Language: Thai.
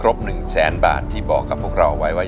ทั้งในเรื่องของการทำงานเคยทำนานแล้วเกิดปัญหาน้อย